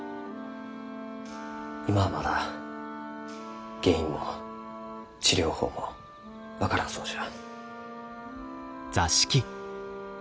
今はまだ原因も治療法も分からんそうじゃ。